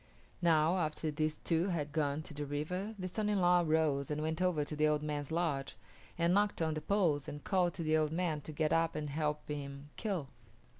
Now, after these two had gone to the river the son in law arose and went over to the old man's lodge, and knocked on the poles and called to the old man to get up and help him kill.